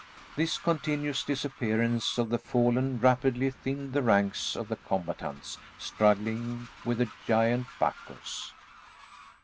This continuous disappearance of the fallen rapidly thinned the ranks of the combatants struggling with the giant Bacchus.